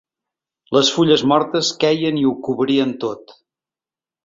Les fulles mortes queien i ho cobrien tot.